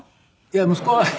いや息子は。